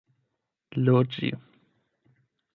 loĝi